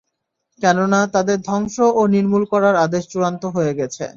কেননা, তাদের ধ্বংস ও নির্মূল করার আদেশ চূড়ান্ত হয়ে গেছে।